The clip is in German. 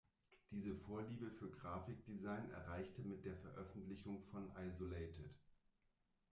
Diese Vorliebe für Grafikdesign erreichte mit der Veröffentlichung von "Isolated.